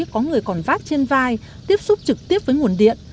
có người còn vát trên vai tiếp xúc trực tiếp với nguồn điện